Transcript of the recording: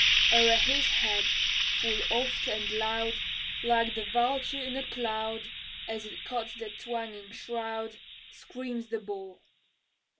O'er his head, full oft and loud, Like the vulture in a cloud, As it cuts the twanging shroud, Screams the ball.